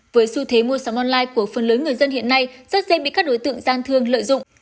với xu thế mua sắm online của phần lớn người dân hiện nay rất dễ bị các đối tượng gian thương lợi dụng